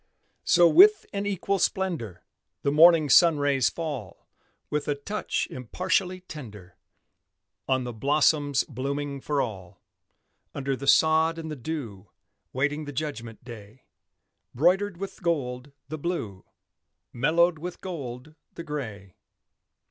So with an equal splendor, The morning sun rays fall, With a touch impartially tender, On the blossoms blooming for all: Under the sod and the dew, Waiting the judgment day; Broidered with gold, the Blue, Mellowed with gold, the Gray.